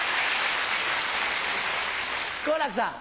好楽さん。